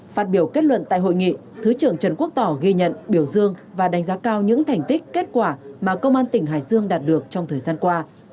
phát biểu kết luận tại hội nghị thứ trưởng trần quốc tỏ ghi nhận biểu dương và đánh giá cao những thành tích kết quả mà công an tỉnh hải dương đạt được trong thời gian qua